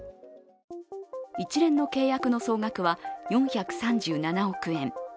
一連の契約の総額は４３７億円。